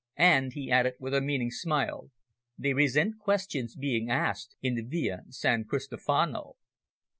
And," he added with a meaning smile, "they resent questions being asked in the Via San Cristofano."